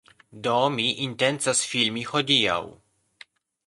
Do mi intencas filmi hodiaŭ.